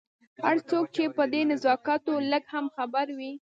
هر څوک چې په دې نزاکتونو لږ هم خبر وي.